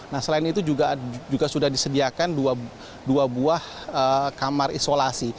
nah selain itu juga sudah disediakan dua buah kamar isolasi